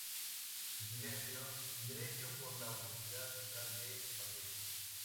Se licenció en Derecho por la Universidad Central de Madrid.